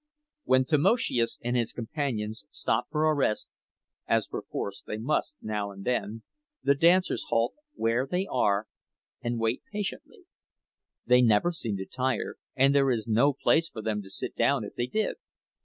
When Tamoszius and his companions stop for a rest, as perforce they must, now and then, the dancers halt where they are and wait patiently. They never seem to tire; and there is no place for them to sit down if they did.